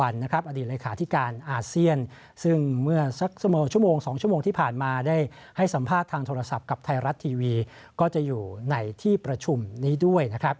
แล้วรัฐทีวีจะอยู่ในที่ประชุมนี้ด้วย